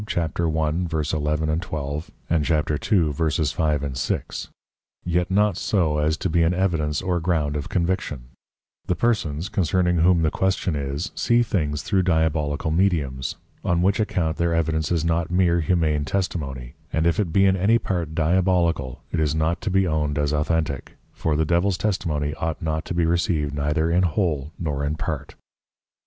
11, 12. & 2.5, 6._ yet not so as to be an Evidence or Ground of Conviction: The Persons, concerning whom the Question is, see things through Diabolical Mediums; on which account their Evidence is not meer humane Testimony; and if it be in any part Diabolical, it is not to be owned as Authentick; for the Devil's Testimony ought not to be received neither in whole nor in part.